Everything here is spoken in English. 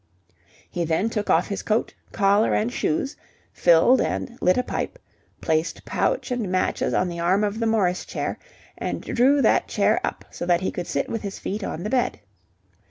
He then took off his coat, collar, and shoes, filled and lit a pipe, placed pouch and matches on the arm of the Morris chair, and drew that chair up so that he could sit with his feet on the bed.